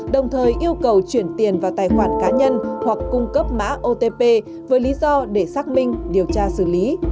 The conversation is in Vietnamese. đồng thời yêu cầu chuyển tiền vào tài khoản cá nhân hoặc cung cấp mã otp với lý do để xác minh điều tra xử lý